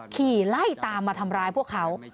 ขี่ไล่ตามมาทำร้ายพวกเขา